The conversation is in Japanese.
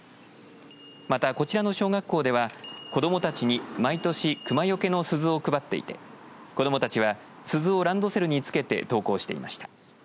また、こちらの小学校では子どもたちに毎年クマよけの鈴を配っていて子どもたちは鈴をランドセルにつけて登校していました。